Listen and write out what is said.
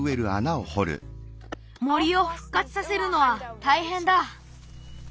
森をふっかつさせるのはたいへんだ。